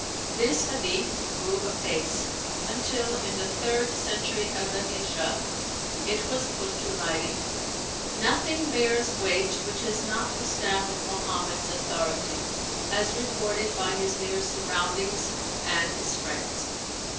This "hadith" grew apace, until, in the third century of the Híjrah, it was put to writing. Nothing bears weight which has not the stamp of Muhammad's authority, as reported by his near surroundings and his friends.